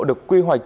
được quy hoạch